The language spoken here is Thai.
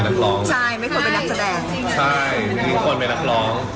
นักหนักรีแม่งเล่นโคตรผิดคีเลย